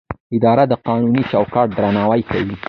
اداره د قانوني چوکاټ درناوی کوي.